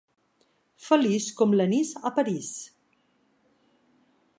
Feliç com l'anís a París.